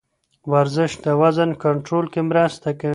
ورزش د وزن کنټرول کې مرسته کوي.